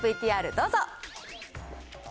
ＶＴＲどうぞ。